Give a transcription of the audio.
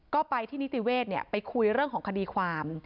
ก็ไปที่นิติเวศไปคุยเรื่องของคดีความ